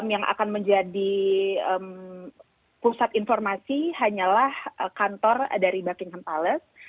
yang akan menjadi pusat informasi hanyalah kantor dari buckingham palace